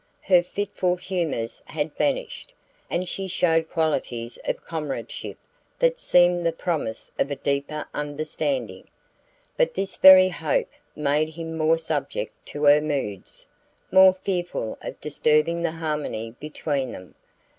Her fitful humours had vanished, and she showed qualities of comradeship that seemed the promise of a deeper understanding. But this very hope made him more subject to her moods, more fearful of disturbing the harmony between them.